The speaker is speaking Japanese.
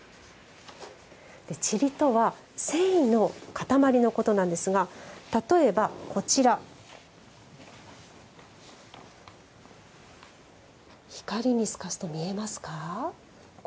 ちりとは、繊維の固まりのことなんですが例えば、光に透かすと見えますか？